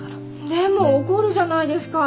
でも起こるじゃないですか。